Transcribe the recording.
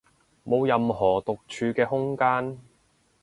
冇任何獨處嘅空間